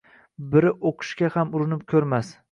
Biri o’qishga ham urinib ko’rmas…